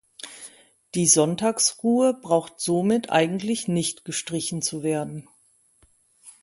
Die Sonntagsruhe braucht somit eigentlich nicht gestrichen zu werden.